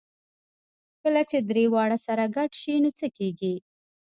کله چې درې واړه سره ګډ شي نو څه کېږي؟